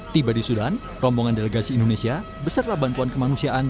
tiba di sudan rombongan delegasi indonesia beserta bantuan kemanusiaan